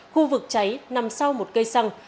khu vực cháy nằm sau một cây xăng